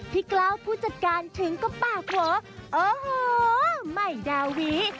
กล้าวผู้จัดการถึงก็ปากหัวโอ้โหใหม่ดาวิ